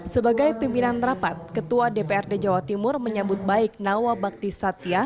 sebagai pimpinan rapat ketua dprd jawa timur menyambut baik nawa bakti satya